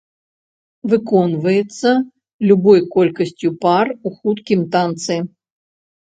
Выконваецца любой колькасцю пар у хуткім танцы.